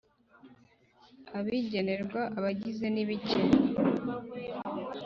Ibigenerwa abagize nibike.